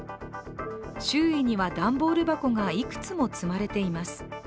周囲には段ボール箱がいくつも積まれています